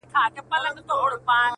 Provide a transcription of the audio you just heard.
که غواړې خلک درته احترام وکړي